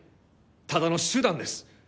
ただの手段です。